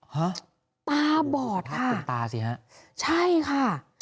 ฮะตาบอดค่ะใช่ค่ะจนตาสิฮะ